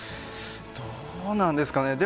どうなんですかね。